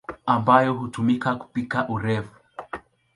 ambayo hutumika kupika urefu.